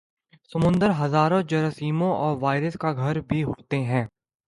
سمندر ہزاروں جراثیموں اور وائرس کا گھر بھی ہوتے ہیں